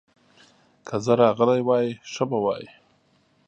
که زه راغلی وای، ښه به وای.